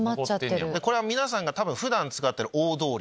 これは皆さんが多分普段使ってる大通り。